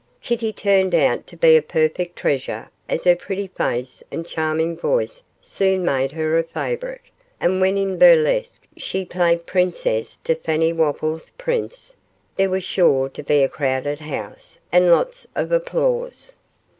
Kitty turned out to be a perfect treasure, as her pretty face and charming voice soon made her a favourite, and when in burlesque she played Princess to Fanny Wopples' Prince, there was sure to be a crowded house and lots of applause.